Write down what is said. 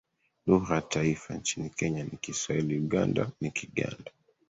Lugha ya taifa, nchini Kenya ni Kiswahili; Uganda ni Kiganda.